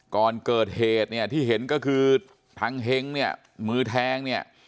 ก่อนเกิดเหตุเนี่ยที่เห็นก็คือทางเฮ้งเนี่ยมือแทงเนี่ย